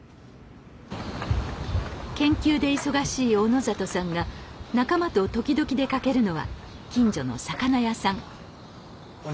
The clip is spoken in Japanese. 研究で忙しい小野里さんが仲間と時々出かけるのは近所の魚屋さん。